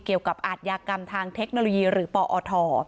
เกี่ยวกับอาชญากรรมทางเทคโนโลยีหรือปอท